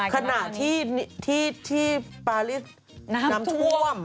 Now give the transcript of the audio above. ขณะที่ปาริสน้ำท่วม